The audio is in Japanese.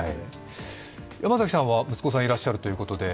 山崎さんは息子さんがいらっしゃるということで。